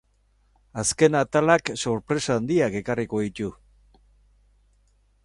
Azken atalak sorpresa handiak ekarriko ditu.